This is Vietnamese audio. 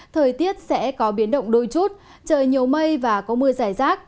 thời tiết sẽ có biến động đôi chút trời nhiều mây và có mưa giải rác